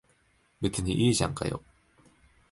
別にいいじゃんかよ。